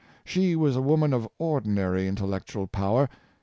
She was a woman of no ordinary intellectual power.